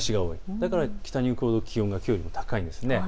だから北に行くほど気温がきょうよりも高いんです。